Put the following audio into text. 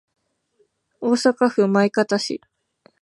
大阪府枚方市